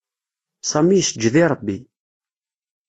Sami yesǧed i Ṛebbi.